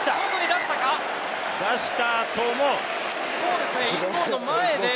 出したと思う。